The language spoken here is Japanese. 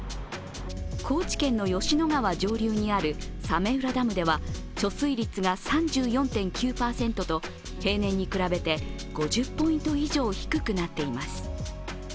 高知県の吉野川上流にある早明浦ダムでは貯水率が３４．９％と平年に比べて５０ポイント以上低くなっています。